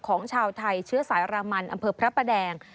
ของชาวไทยเชื้อสายรามันอำเภอพระประแดง